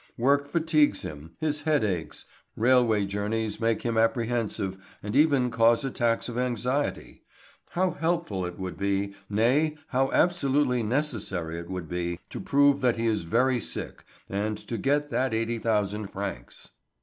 Work fatigues him his head aches railway journeys make him apprehensive and even cause attacks of anxiety; how helpful it would be, nay, how absolutely necessary it would be, to prove that he is very sick and to get that 80,000 francs!